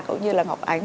cũng như là ngọc ánh